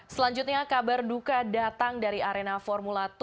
selanjutnya kabar duka datang dari arena formula dua